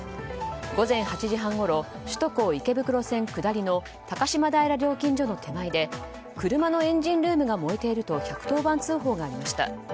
午前８時半ごろ首都高池袋線下りの高島平料金所の手前で車のエンジンルームが燃えていると１１０番通報がありました。